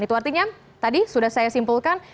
itu artinya tadi sudah saya simpulkan